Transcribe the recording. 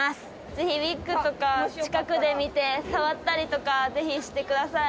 ぜひウイッグとか、近くで見て、触ったりとか、ぜひしてください。